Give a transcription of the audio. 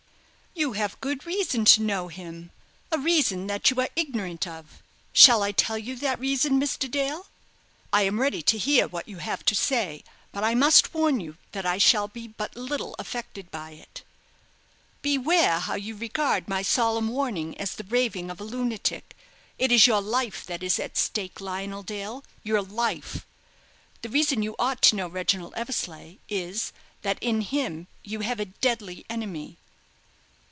"You have good reason to know him a reason that you are ignorant of. Shall I tell you that reason, Mr. Dale?" "I am ready to hear what you have to say; but I must warn you that I shall be but little affected by it." "Beware how you regard my solemn warning as the raving of a lunatic. It is your life that is at stake, Lionel Dale your life! The reason you ought to know Reginald Eversleigh is, that in him you have a deadly enemy."